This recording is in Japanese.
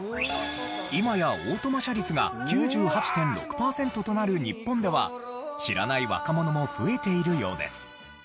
今やオートマ車率が９８．６パーセントとなる日本では知らない若者も増えているようです。